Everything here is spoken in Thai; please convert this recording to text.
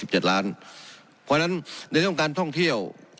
เพราะฉะนั้นในช่วงการท่องเที่ยว